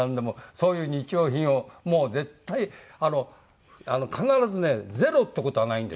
そういう日用品をもう絶対必ずねゼロって事はないんですよ。